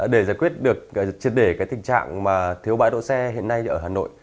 để giải quyết được truyền đề cái tình trạng mà thiếu bãi đỗ xe hiện nay ở hà nội